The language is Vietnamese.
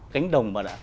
cánh đồng mà